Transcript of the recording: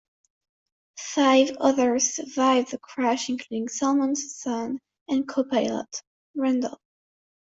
Five others survived the crash including Salmon's son and copilot, Randall.